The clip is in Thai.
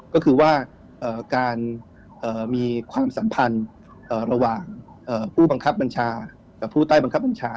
ก็คือว่าการมีความสัมพันธ์ระหว่างผู้บังคับบัญชา